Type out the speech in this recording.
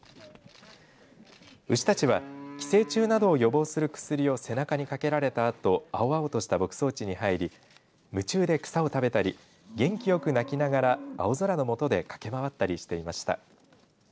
牛たちは寄生虫などを予防する薬を背中にかけられたあと青々とした牧草地に入り夢中で草を食べたり元気よく鳴きながら青空の下で駆けまわったりしていました。